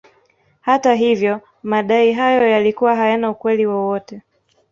Hata hivyo madai hayo yalikuwa hayana ukweli wowote